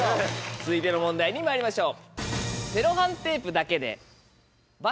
続いての問題にまいりましょう。